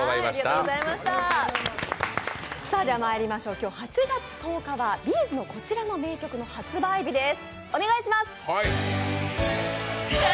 今日８月１０日はＢ’ｚのこちらの名曲の発売日です。